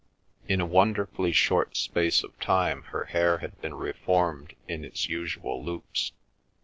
In a wonderfully short space of time her hair had been reformed in its usual loops.